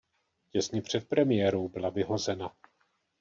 Těsně před premiérou byla vyhozena.